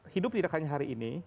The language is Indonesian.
hidup tidak hanya hari ini